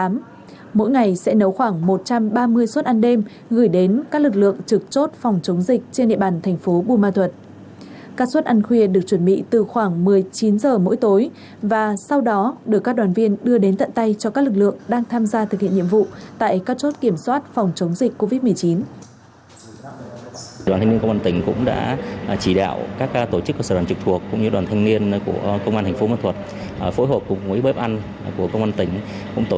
mỗi ngày sẽ nấu khoảng một trăm ba mươi suốt ăn đêm gửi đến các lực lượng trực chốt phòng chống dịch trên địa bàn thành phố buôn ma thuột